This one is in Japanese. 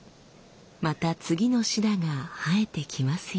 また次のシダが生えてきますように。